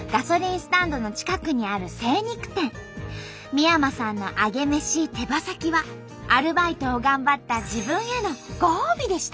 三山さんのアゲメシ手羽先はアルバイトを頑張った自分へのご褒美でした。